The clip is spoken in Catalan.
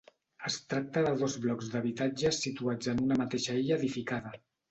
Es tracta de dos blocs d'habitatges situats en una mateixa illa edificada.